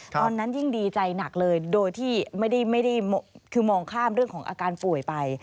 ตอนนั้นยิ่งดีใจหนักเลยโดยที่ไม่ได้คือมองข้ามเรื่องของอาการป่วยไป